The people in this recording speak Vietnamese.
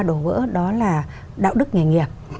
đổ vỡ đó là đạo đức nghề nghiệp